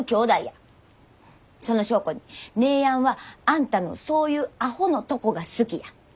その証拠に姉やんはあんたのそういうアホのとこが好きや。